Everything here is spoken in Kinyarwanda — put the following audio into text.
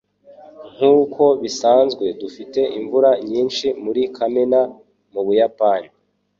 Nkuko bisanzwe dufite imvura nyinshi muri kamena mubuyapani.